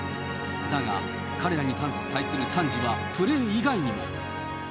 だが、彼らに対する賛辞はプレー以外にも。